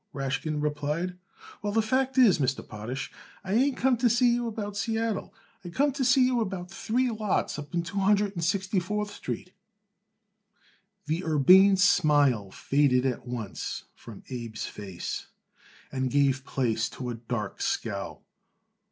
Rashkin replied. "Well, the fact is, Mr. Potash, I ain't come to see you about Seattle. I come to see you about three lots up in Two Hundred and Sixty fourth Street." The urbane smile faded at once from Abe's face and gave place to a dark scowl.